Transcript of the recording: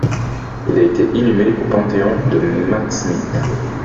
Il a été inhumé au Panthéon de Mtatsminda.